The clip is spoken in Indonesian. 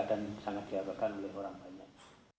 dan sangat diadakan oleh orang banyak